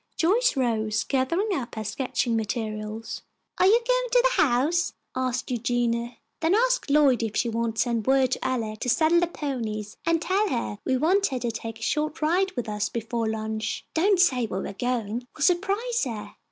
Joyce rose, gathering up her sketching materials. "Are you going to the house?" asked Eugenia. "Then ask Lloyd if she won't send word to Alec to saddle the ponies, and tell her we want her to take a short ride with us before lunch. Don't say where we are going. We'll surprise her."